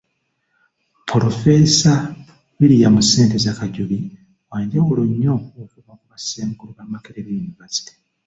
Pulofeesa William Ssenteza Kajubi wa njawulo nnyo okuva ku bassenkulu ba Makerere University.